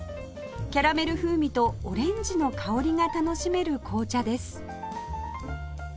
キャラメル風味とオレンジの香りが楽しめる紅茶です